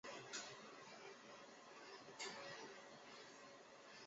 设有电梯与电扶梯。